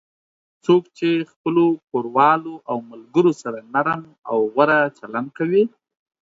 څوک چې خپلو کوروالو او ملگرو سره نرم او غوره چلند کوي